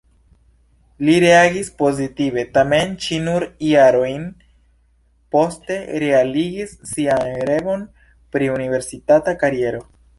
Li reagis pozitive, tamen ŝi nur jarojn poste realigis sian revon pri universitata kariero.